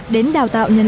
đến đào tạo nhân lợi